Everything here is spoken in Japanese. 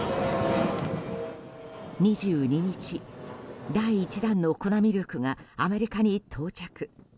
２２日、第１弾の粉ミルクがアメリカに到着。